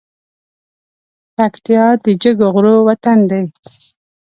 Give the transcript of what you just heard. پکتيا د جګو غرو وطن دی